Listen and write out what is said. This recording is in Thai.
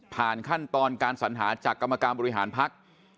ผ่านขั้นตอนการสัญหาจากกรรมกรรมบริหารพักษ์